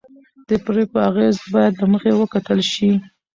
د پرېکړو اغېز باید له مخکې وکتل شي